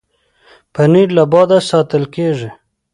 پنېر له باده ساتل کېږي.